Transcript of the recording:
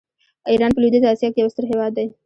ایران په لویدیځه آسیا کې یو ستر هېواد دی.